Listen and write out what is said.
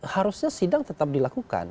harusnya sidang tetap dilakukan